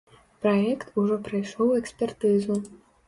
Праект ужо прайшоў экспертызу.